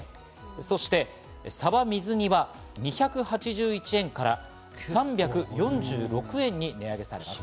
そして「さば水煮」は２８１円から３４６円に値上げされます。